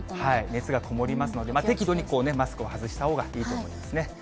熱がこもりますので、適度にこうね、マスクを外したほうがいいと思いますね。